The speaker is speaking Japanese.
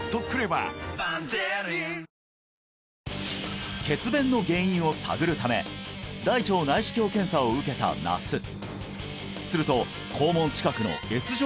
果たして血便の原因を探るため大腸内視鏡検査を受けた那須すると肛門近くのＳ状